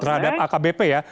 terhadap akbp ya